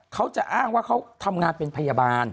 เขาจะอ้างว่าเขาทำงานเป็นพยาบาล